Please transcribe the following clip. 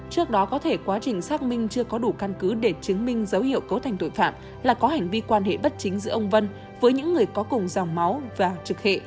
trước đó có thể quá trình xác minh chưa có đủ căn cứ để chứng minh dấu hiệu cấu thành tội phạm là có hành vi quan hệ bất chính giữa ông vân với những người có cùng dòng máu và trực hệ